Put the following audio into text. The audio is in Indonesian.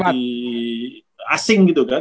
pelatih asing gitu kan